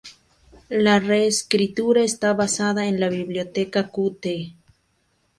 La reescritura está basada en la biblioteca Qt.